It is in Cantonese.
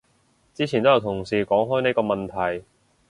之前都有同事講開呢個問題